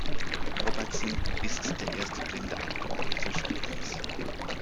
Robertson ist der erste blinde Abgeordnete Schottlands.